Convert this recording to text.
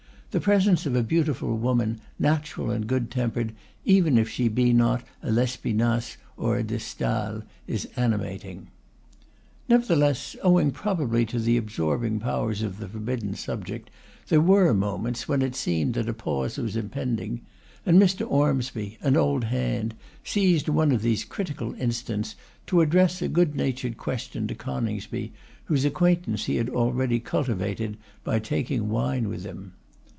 The presence of a beautiful woman, natural and good tempered, even if she be not a L'Espinasse or a De Stael, is animating. Nevertheless, owing probably to the absorbing powers of the forbidden subject, there were moments when it seemed that a pause was impending, and Mr. Ormsby, an old hand, seized one of these critical instants to address a good natured question to Coningsby, whose acquaintance he had already cultivated by taking wine with him.